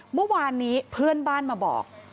เมื่อวานนี้เพื่อนบ้านมาบอก